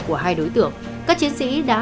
của hai đối tượng các chiến sĩ đã